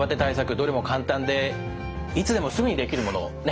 どれも簡単でいつでもすぐにできるものばかりでしたね。